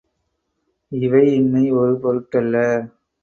இவையின்மை ஒரு பொருட்டல்ல.